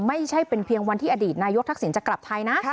ไม่ใช่เป็นเพียงวันที่อดีตนายกทักษิณจะกลับไทยนะ